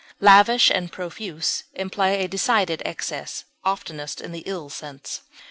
Lavish and profuse imply a decided excess, oftenest in the ill sense.